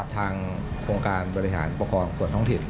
ทางโครงการบริหารปกครองส่วนท้องถิ่น